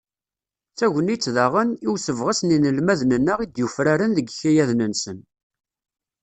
D tagnit, daɣen, i usebɣes n yinelmaden-nneɣ i d-yufraren deg yikayaden-nsen.